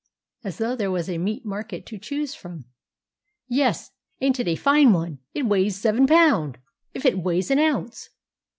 (as though there was a meat market to choose from!) "Yes; ain't it a fine one; it weighs seven pound, if it weighs an ounce."